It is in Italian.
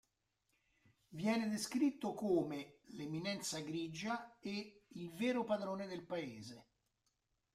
Viene descritto come l'"eminenza grigia" e "il vero padrone del paese".